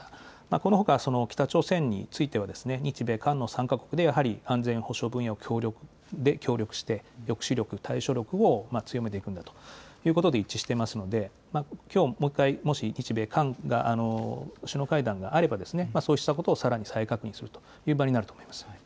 このほか北朝鮮については日米韓の３か国で、やはり安全保障分野で協力して抑止力、対処力を強めていくんだということで一致していますので、きょうもう一回、もし日米韓が首脳会談があれば、そうしたことをさらに再確認するという場になると思います。